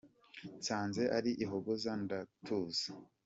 Nsanze ari ihogoza ndatuza